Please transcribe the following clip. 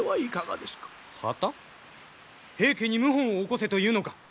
平家に謀反を起こせというのか？